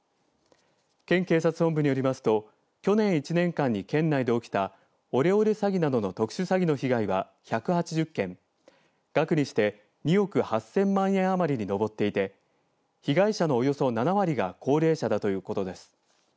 県警察本部によりますと去年１年間に県内で起きたオレオレ詐欺などの特殊詐欺の被害は１８０件額にして２億８０００万円余りに上っていて被害者のおよそ７割が高齢者だということです。